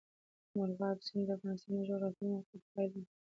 مورغاب سیند د افغانستان د جغرافیایي موقیعت پایله ده.